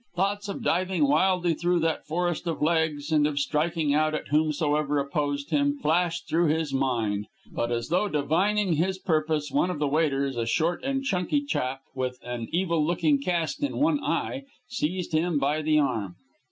Thoughts of diving wildly through that forest of legs, and of striking out at whomsoever opposed him, flashed through his mind; but, as though divining his purpose, one of the waiters, a short and chunky chap with an evil looking cast in one eye, seized him by the arm.